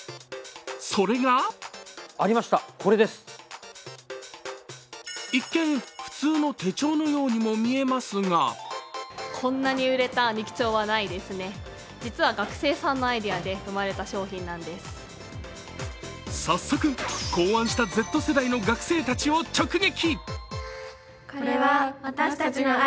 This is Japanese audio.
それが一見、普通の手帳のようにも見えますが早速、考案したＺ世代の学生たちを直撃。